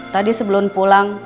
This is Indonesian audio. tadi sebelum pulang